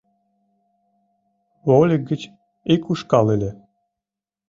Вольык гыч ик ушкал ыле.